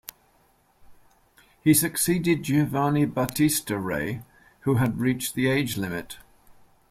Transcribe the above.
He succeeded Giovanni Battista Re, who had reached the age limit.